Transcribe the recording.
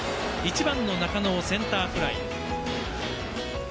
１番の中野をセンターフライ。